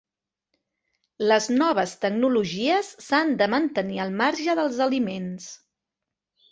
Les noves tecnologies s'han de mantenir al marge dels aliments.